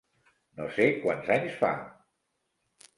No sé quants anys fa.